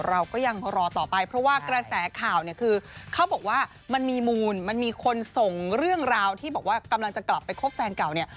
เราก็ยังรอต่อไปเพราะว่ากระแสข่าวเนี่ยคือเขาบอกว่ามันมีมูลมันมีคนส่งเรื่องราวที่บอกว่ากำลังจะกลับไปคบแฟนเก่าเนี่ย